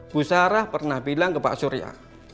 bu sarah pernah bilang ke pak surya